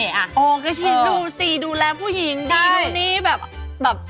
อ๋อก็ใช่ค่ะใช่ค่ะฮะดูสิดูรักผู้หญิงดูนี่แบบ